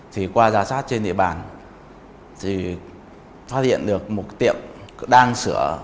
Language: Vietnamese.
thì qua giả soát trên địa bàn thì phát hiện được một tiệm đang sửa